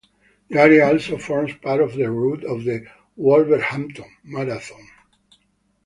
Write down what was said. The area also forms part of the route of the Wolverhampton Marathon.